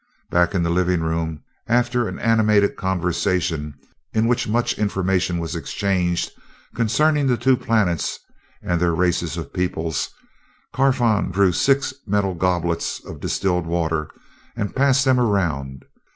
Back in the living room, after an animated conversation in which much information was exchanged concerning the two planets and their races of peoples, Carfon drew six metal goblets of distilled water and passed them around.